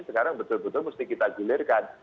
sekarang betul betul mesti kita gulirkan